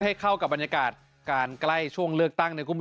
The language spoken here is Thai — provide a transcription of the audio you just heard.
ให้เข้ากับบรรยากาศการไกลช่วงเลือกตั้ง